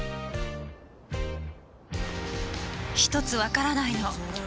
１つわからないの。